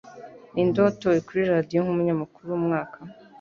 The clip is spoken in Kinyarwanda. Ninde watowe kuri Radiyo nk’umunyamakuru wumwaka